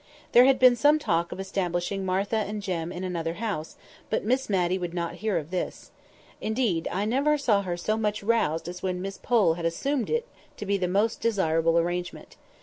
There had been some talk of establishing Martha and Jem in another house, but Miss Matty would not hear of this. Indeed, I never saw her so much roused as when Miss Pole had assumed it to be the most desirable arrangement.